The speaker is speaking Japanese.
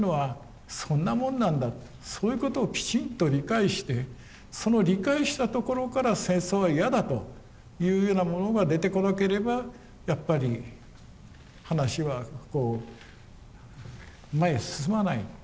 そういうことをきちんと理解してその理解したところから戦争は嫌だというようなものが出てこなければやっぱり話はこう前へ進まない。